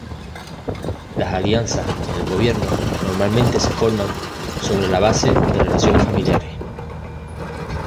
Las alianzas en el gobierno normalmente se forman sobre la base de relaciones familiares.